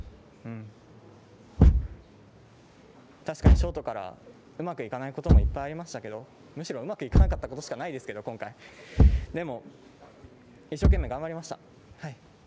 確かにショートからうまくいかないこともいっぱいありましたけど、むしろうまくいかなかったことしかないですけど今回でも一生懸命、頑張りました。